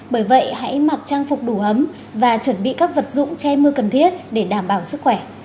bởi vậy hãy mặc trang phục đủ ấm và chuẩn bị các vật dụng che mưa cần thiết để đảm bảo sức khỏe